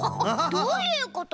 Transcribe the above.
どういうこと？